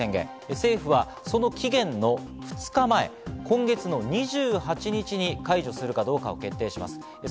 政府はその期限の２日前、今月の２８日に解除するかどうかを決定します。